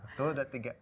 satu dua tiga